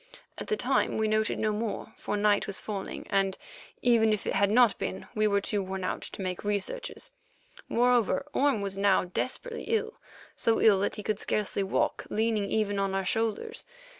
At the time we noted no more, for night was falling, and, even if it had not been, we were too worn out to make researches. Moreover, Orme was now desperately ill—so ill that he could scarcely walk leaning even on our shoulders.